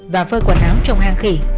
và phơi quản áo trong hang khỉ